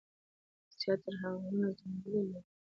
زيات تره غرونه ځنګلې لري ـ